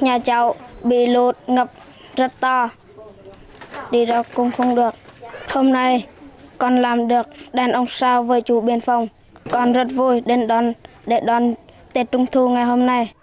nhà cháu bị lũ ngập rất to đi ra cũng không được hôm nay con làm được đàn ông sao với chú biên phòng con rất vui để đón tiệc trung thu ngày hôm nay